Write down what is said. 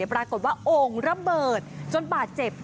ปรากฏว่าโอ่งระเบิดจนบาดเจ็บ